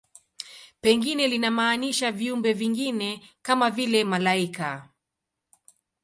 Pengine linamaanisha viumbe vingine, kama vile malaika.